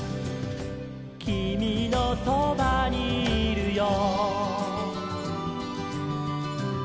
「きみのそばにいるよ」